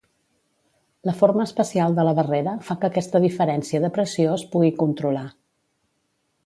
La forma especial de la barrera fa que aquesta diferència de pressió es pugui controlar.